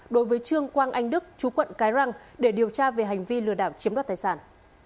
đối với trương quang anh đức chú quận cái răng để điều tra về hành vi lừa đảo chiếm đoạt tài sản